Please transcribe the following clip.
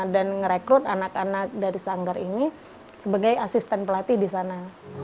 dan ngerekrut anak anak dari sanggar ini sebagai asisten pelatih di sana